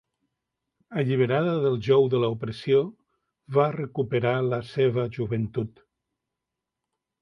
Alliberada del jou de l'opressió, va recuperar la seva joventut.